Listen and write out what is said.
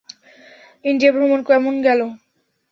India ভ্রমণ কেমন গেল?